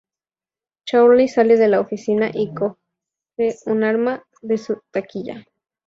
Charlie sale de la oficina y coge un arma de su taquilla.